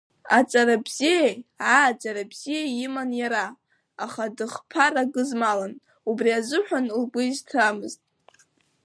Аҵара бзиеи ааӡара бзиеи иман иара, аха дыхԥара-гызмалын, убри азыҳәан лгәы изҭамызт.